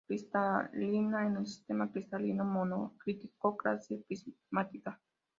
Cristaliza en el sistema cristalino monoclínico, clase prismática.